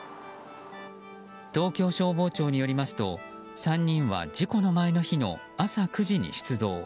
東京消防庁によりますと３人は事故の前の日の朝９時に出動。